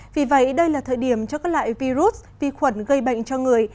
vì vậy đây là thời điểm cho các loại virus vi khuẩn gây bệnh cho người